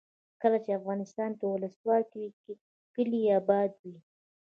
کله چې افغانستان کې ولسواکي وي کلي اباد وي.